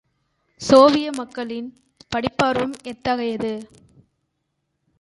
Soviet மக்களின் படிப்பார்வம் எத்தகையது?